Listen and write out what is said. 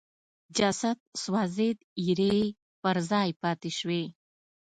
جسد سوځېد ایرې پر ځای پاتې شوې.